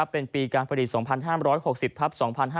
เป็นปีการผลิต๒๕๖๐ทัพ๒๕๕๙